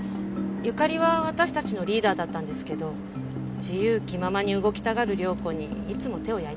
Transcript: ゆかりは私たちのリーダーだったんですけど自由気ままに動きたがる涼子にいつも手を焼いてました。